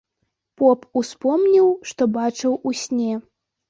Поп успомніў, што бачыў у сне.